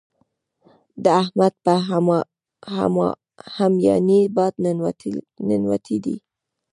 د احمد په هميانۍ باد ننوتی دی.